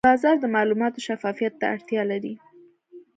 بازار د معلوماتو شفافیت ته اړتیا لري.